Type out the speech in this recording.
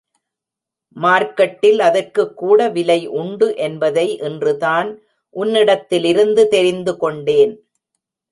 மார்க்கட்டில் அதற்குக்கூட விலை உண்டு என்பதை இன்றுதான் உன்னிடத்திலிருந்து தெரிந்துகொண்டேன்.